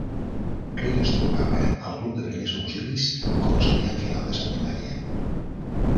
Rick es trobava al club de primers auxilis com a estudiant final de secundària.